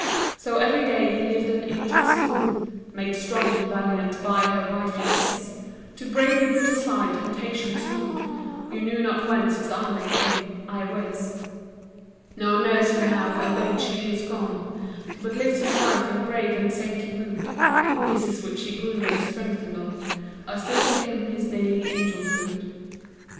So every day he lived on angel's food; Made strong and valiant by her wifely kiss; To bravely put aside temptations rude, Yet knew not whence his armor came, I wis, Nor knows he now, albeit she is gone, But lives his life in brave and saintly mood— The kisses which he grew and strengthened on, Are still to him his daily angel food.